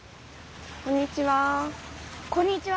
こんにちは。